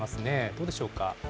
どうでしょうか。